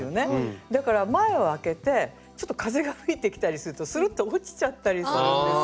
だから前をあけてちょっと風が吹いてきたりするとスルッと落ちちゃったりするんですよ。